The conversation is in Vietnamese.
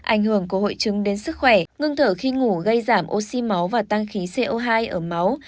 ảnh hưởng của hội chứng đến sức khỏe ngưng thở khi ngủ gây giảm oxy máu và tăng khí co hai ở máu